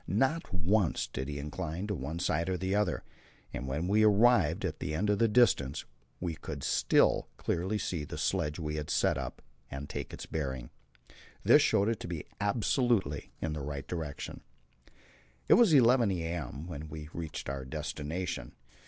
Not once did he incline to one side or the other, and when we arrived at the end of the distance, we could still clearly see the sledge we had set up and take its bearing. This showed it to be absolutely in the right direction. It was 11 a.m. when we reached our destination.